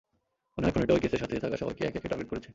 মনে হয় খুনীটা ঐ কেসের সাথে থাকা সবাইকে একে একে টার্গেট করেছে।